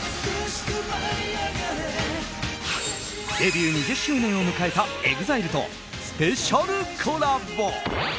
デビュー２０周年を迎えたＥＸＩＬＥとスペシャルコラボ。